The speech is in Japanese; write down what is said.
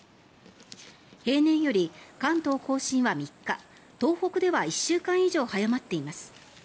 平年より関東・甲信は３日東北では１週間以上早まっています。